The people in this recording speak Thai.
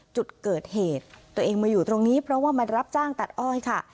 จุดเกิดเหตุตัวเองมาอยู่ตรงนี้เพราะว่ามารับจ้างตัดอ้อยค่ะ